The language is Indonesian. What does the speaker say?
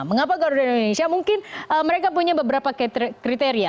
mengapa garuda indonesia mungkin mereka punya beberapa kriteria